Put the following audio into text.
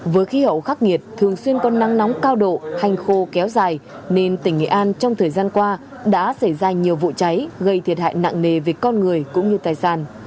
với khí hậu khắc nghiệt thường xuyên có nắng nóng cao độ hành khô kéo dài nên tỉnh nghệ an trong thời gian qua đã xảy ra nhiều vụ cháy gây thiệt hại nặng nề về con người cũng như tài sản